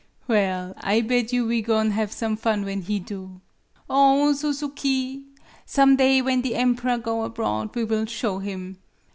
Well! I bed you we go'n' have some fun when he do. Oh, Suzuki! Some day, when the emperor go abroad, we will show him.